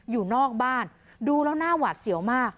อยู่นอกบ้านดูแล้วหน้าหวาดเสียวมาก